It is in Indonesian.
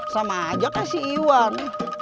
sama aja kan si iwan